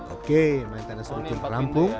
oke maintenance rumpung